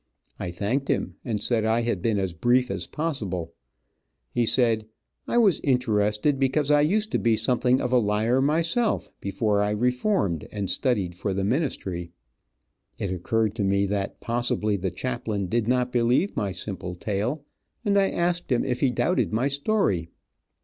I thanked him, and said I had been as brief as possible. He said, "I was interested, because I used to be something of a liar myself, before I reformed, and studied for the ministry." It occurred to me that possibly the chaplain did not believe my simple tale, and I asked him if he doubted my story.